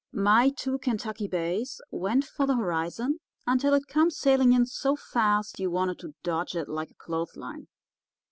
My two Kentucky bays went for the horizon until it come sailing in so fast you wanted to dodge it like a clothesline.